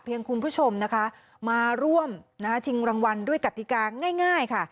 คุณผู้ชมนะคะมาร่วมชิงรางวัลด้วยกติกาง่ายค่ะ